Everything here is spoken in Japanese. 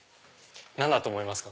何だと思いますか？